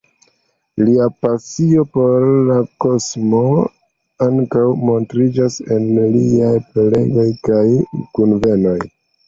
Lia pasio por la kosmo ankaŭ montriĝas en liaj prelegoj kaj kunvenoj.